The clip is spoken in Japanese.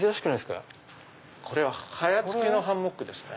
かや付きのハンモックですね。